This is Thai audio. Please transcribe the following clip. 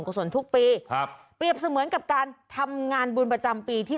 ศรทุกปีครับเปรียบเสมือนกับการทำงานบุญประจำปีที่